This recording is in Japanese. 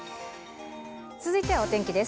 続いてはお天気です。